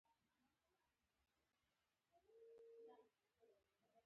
• ژړا کول د بدن دفاعي ځواک قوي کوي.